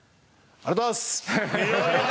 ありがとうございます。